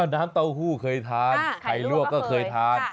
น้ำเต้าหู้เคยทานใครลวกก็เคยทาน